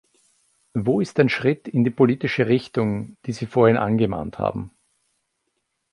Wo ist ein Schritt in die politische Richtung, die Sie vorhin angemahnt haben?